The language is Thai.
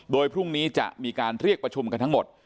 โดยพรุ่งนี้จะมีการเรียกประชุมกันทั้งหมด